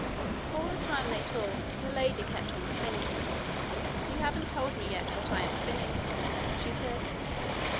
All the time they talked the old lady kept on spinning. 'You haven't told me yet what I am spinning,' she said.